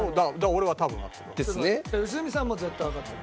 俺は多分合ってる。